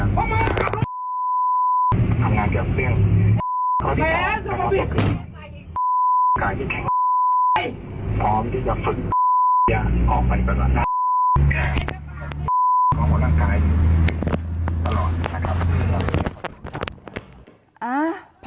ส่งสะดวก